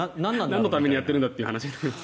なんのためにやってるんだという。